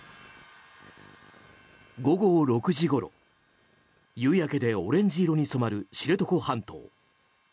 午後６時ごろ、夕焼けでオレンジ色に染まる知床半島。